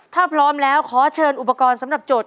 ถ้าพร้อมแล้วขอเชิญอุปกรณ์สำหรับโจท